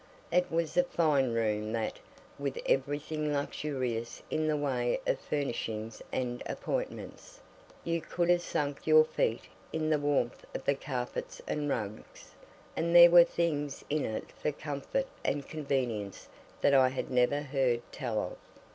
It was a fine room that, with everything luxurious in the way of furnishing and appointments; you could have sunk your feet in the warmth of the carpets and rugs, and there were things in it for comfort and convenience that I had never heard tell of.